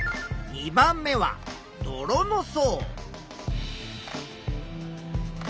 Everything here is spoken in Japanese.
３番目は砂の層。